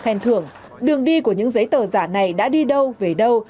hèn thường đường đi của những giấy tờ giả này đã đi đâu về đâu